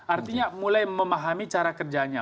artinya mulai memahami cara kerjanya